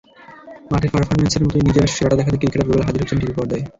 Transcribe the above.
মাঠের পারফরম্যান্সের মতোই নিজের সেরাটা দেখাতে ক্রিকেটার রুবেল হাজির হচ্ছেন টিভি পর্দায়।